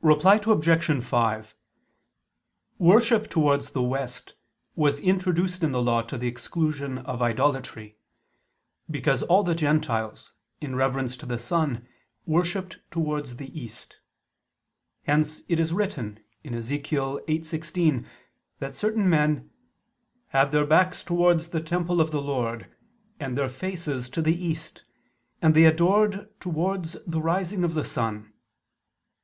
Reply Obj. 5: Worship towards the west was introduced in the Law to the exclusion of idolatry: because all the Gentiles, in reverence to the sun, worshipped towards the east; hence it is written (Ezech. 8:16) that certain men "had their backs towards the temple of the Lord, and their faces to the east, and they adored towards the rising of the sun."